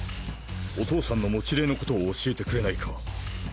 お父さんの持霊のことを教えてくれないか？